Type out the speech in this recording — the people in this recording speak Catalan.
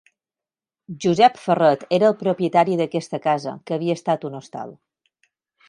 Josep Ferret era el propietari d'aquesta casa, que havia estat un hostal.